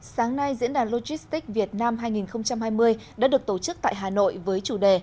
sáng nay diễn đàn logistics việt nam hai nghìn hai mươi đã được tổ chức tại hà nội với chủ đề